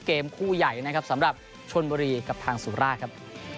เกมคู่ใหญ่นะครับสำหรับชนบุรีกับทางสุราชครับ